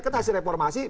karena hasil reformasi